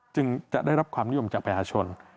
จึงจะได้รับความนิยมจากประชาชน